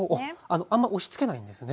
あんま押しつけないんですね。